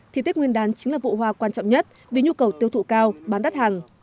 thì tết nguyên đán chính là vụ hoa quan trọng nhất vì nhu cầu tiêu thụ cao bán đắt hàng